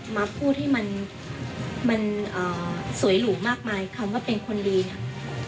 มาพูดให้มันสวยหรูมากมายคำว่าเป็นคนดีเนี่ย